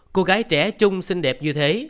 cô gái trẻ trung xinh đẹp như thế